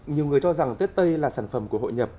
nhiều người cho rằng tết tây là sản phẩm của hội nhập